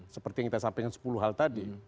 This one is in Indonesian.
seperti yang kita sampaikan sepuluh hal tadi